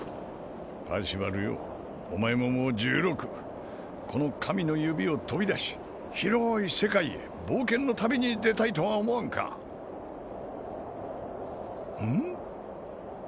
パーシバルよお前ももう１６この神の指を飛び出し広い世界へ冒険の旅に出たいとは思わんかうん？